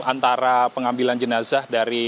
antara pengambilan jenazah dari